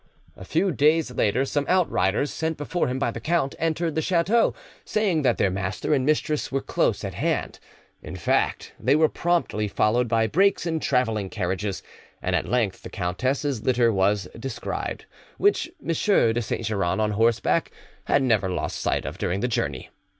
A few days later, some outriders, sent before him by the count, entered the chateau, saying that their master and mistress were close at hand. In fact, they were promptly followed by brakes and travelling carriages, and at length the countess's litter was descried, which M. de Saint Geran, on horse back, had never lost sight of during the journey.